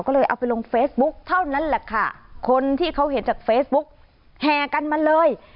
ก็เลยเอาไปลงเฟซบุ๊กเท่านั้นแหละค่ะคนที่เขาเห็นจากเฟซบุ๊กแห่กันมาเลย